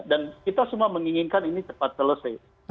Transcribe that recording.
dan kita semua menginginkan ini cepat selesai